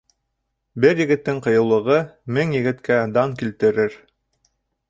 Бер егеттең ҡыйыулығы мең егеткә дан килтерер.